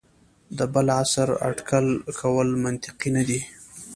د بل عصر اټکل کول منطقي نه دي.